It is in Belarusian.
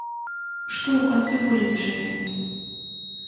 Што ў канцы вуліцы жыве?